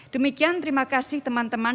demikian terima kasih teman teman